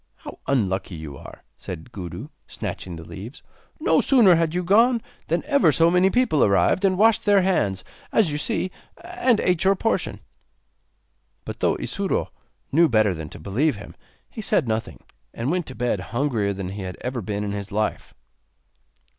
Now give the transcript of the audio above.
'How unlucky you are,' said Gudu, snatching the leaves; 'no sooner had you gone than ever so many people arrived, and washed their hands, as you see, and ate your portion.' But, though Isuro knew better than to believe him, he said nothing, and went to bed hungrier than he had ever been in his life.